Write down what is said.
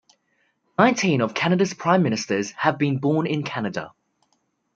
Nineteen of Canada's Prime Ministers have been born in Canada.